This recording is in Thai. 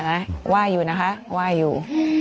กันบ้างเนี่ยนะว่ายอยู่นะคะว่ายอยู่